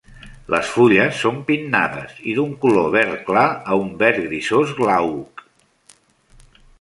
Les fulles són pinnades i d'un color verd clar a un verd grisós glauc.